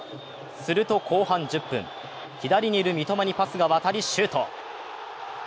すると後半１０分、左にいる三笘にパスが渡りシュート。